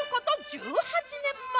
１８年前。